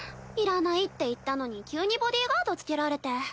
いらないって言ったのに急にボディガード付けられて。